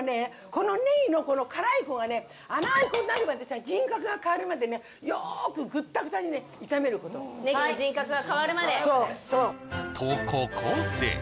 このネギのこの辛い方がね甘くなるまでさ人格が変わるまでねよくクッタクタにね炒めることネギの人格が変わるまで？